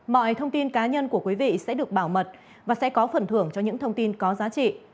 mọi thông tin cá nhân của quý vị sẽ được bảo mật và sẽ có phần thưởng cho những thông tin có giá trị